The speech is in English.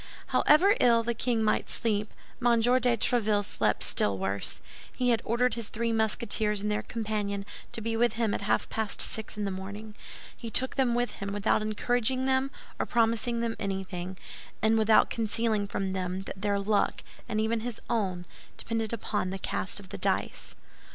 However ill the king might sleep, M. de Tréville slept still worse. He had ordered his three Musketeers and their companion to be with him at half past six in the morning. He took them with him, without encouraging them or promising them anything, and without concealing from them that their luck, and even his own, depended upon the cast of the dice.